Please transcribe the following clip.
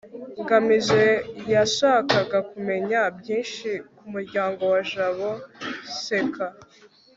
ngamije yashakaga kumenya byinshi ku muryango wa jabo. (ck